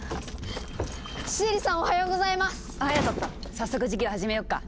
早速授業始めよっか。